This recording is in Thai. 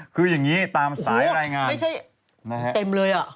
อ๋อคือยังนี้ตามสายรายงานโอ้โฮไม่ใช่เต็มเลย